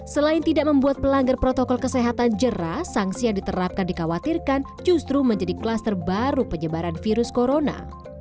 selain tidak membuat pelanggar protokol kesehatan jerah sanksi yang diterapkan dikhawatirkan justru menjadi kluster baru penyebaran virus corona